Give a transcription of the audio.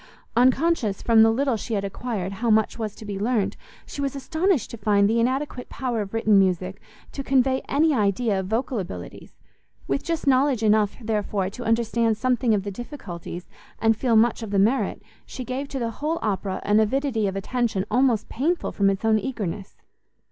Unconscious from the little she had acquired how much was to be learnt, she was astonished to find the inadequate power of written music to convey any idea of vocal abilities: with just knowledge enough, therefore, to understand something of the difficulties, and feel much of the merit, she gave to the whole Opera an avidity of attention almost painful from its own eagerness.